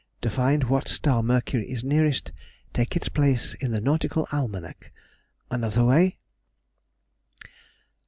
To find what star Mercury is nearest. Take its place in the Nautical Almanac. Another way....